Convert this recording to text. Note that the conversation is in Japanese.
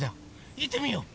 いってみよう！